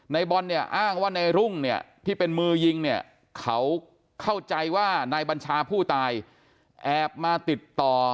ไนรุ่งบอลอ้างว่าไนรุ่งที่เป็นมือยิงเขาเข้าใจว่านายบัญชาผู้ตายแอบมาติดต่อ